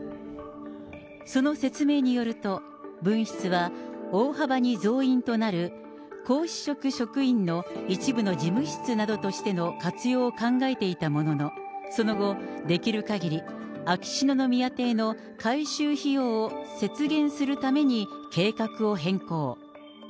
その説明によると、分室は、大幅に増員となる皇嗣職職員の一部の事務室などとしての活用を考えていたものの、その後、できるかぎり、秋篠宮邸の改修費用を節減するために計画を変更。